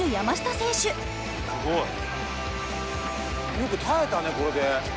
よく耐えたねこれで。